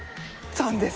３です。